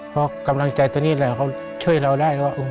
เพราะกำลังใจตัวนี้แหละเขาช่วยเราได้ว่า